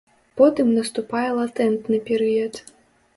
Потым наступае латэнтны перыяд.